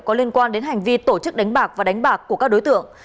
có liên quan đến hành vi tổ chức đánh bạc và đánh bạc của các đối tượng